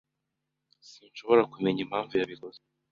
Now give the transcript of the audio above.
S Sinshobora kumenya impamvu yabikoze.